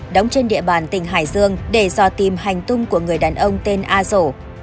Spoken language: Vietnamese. đóng trên địa bàn tỉnh hải dương để do tìm hành tung của người đàn ông tên a sổ